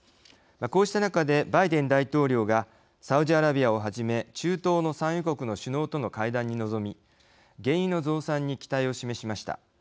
こうした中で、バイデン大統領がサウジアラビアをはじめ中東の産油国の首脳との会談に臨み原油の増産に期待を示しました。